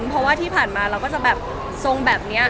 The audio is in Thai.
เพราะว่าที่ผ่านมาเราก็จะแบบทรงแบบนี้